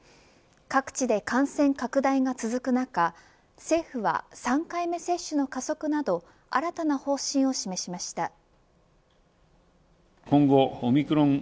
各地で感染拡大が続く中政府は３回目接種の加速など新たな方針を示しました。